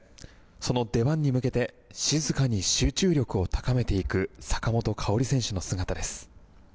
その出番に向けて静かに集中力を高めていく坂本花織選手の姿です。